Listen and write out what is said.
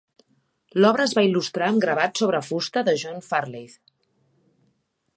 L'obra es va il·lustrar amb gravats sobre fusta de John Farleigh.